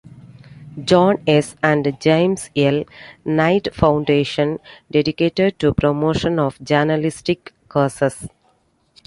John S. and James L. Knight Foundation, "dedicated to promotion of journalistic causes".